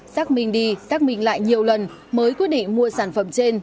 xác minh đi xác minh lại nhiều lần mới quyết định mua sản phẩm trên